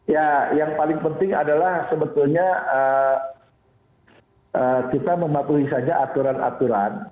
ya yang paling penting adalah sebetulnya kita mematuhi saja aturan aturan